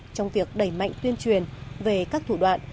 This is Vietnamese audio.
trong việc đẩy mạnh tuyên truyền về các thủ đoạn